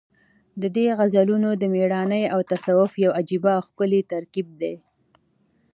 د ده غزلونه د مېړانې او تصوف یو عجیبه او ښکلی ترکیب دی.